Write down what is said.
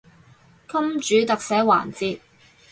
金主特寫環節